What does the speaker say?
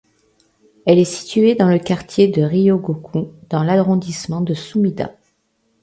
Elle est située dans le quartier de Ryōgoku dans l'arrondissement de Sumida.